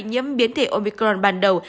nhiễm biến thể omicron ban đầu